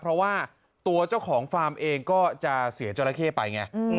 เพราะว่าตัวเจ้าของฟาร์มเองก็จะเสียจราเข้ไปไง